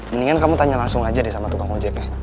mendingan kamu tanya langsung aja deh sama tukang ojeknya